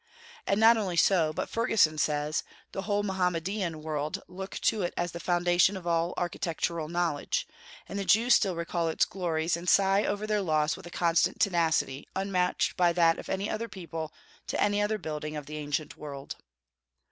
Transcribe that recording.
And not only so, but Fergusson says: "The whole Mohammedan world look to it as the foundation of all architectural knowledge, and the Jews still recall its glories, and sigh over their loss with a constant tenacity unmatched by that of any other people to any other building of the ancient world."